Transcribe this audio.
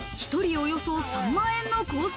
およそ３万円のコース